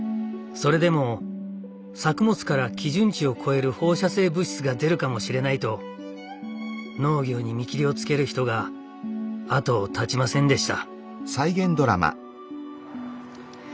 それでも作物から基準値を超える放射性物質が出るかもしれないと農業に見切りをつける人が後を絶ちませんでした。